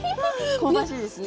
香ばしいですしね。